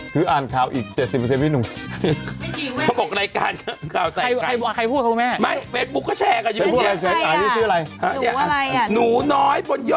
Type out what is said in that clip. คืออ่านข่าวอีก๗๐พี่หนุ่ม